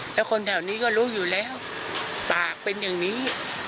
แล้วคนแถวนี้ก็รู้อยู่แล้วปากเป็นอย่างนี้